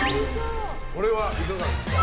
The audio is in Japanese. これはいかがですか。